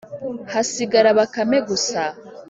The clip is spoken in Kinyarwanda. hasigara bakame gusa